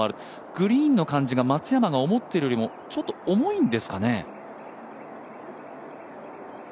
グリーンの感じが松山が思っているよりもちょっと重いんですかね？